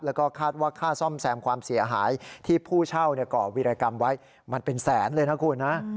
แล้วก็คาดว่าค่าซ่อมแซมความเสียหายที่ผู้เช่าก่อวิรกรรมไว้มันเป็นแสนเลยนะคุณนะ